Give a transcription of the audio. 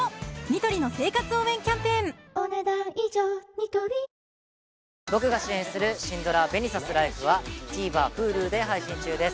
ニトリ僕が主演するシンドラ『紅さすライフ』はＴＶｅｒＨｕｌｕで配信中です。